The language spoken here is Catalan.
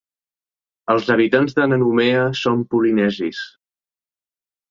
Els habitants de Nanumea són polinesis.